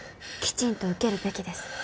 きちんと受けるべきです。